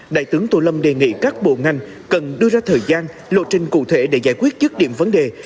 đại tướng tô lâm đề nghị các bộ ngành cần đưa ra thời gian lộ trình cụ thể để giải quyết chức điểm vấn đề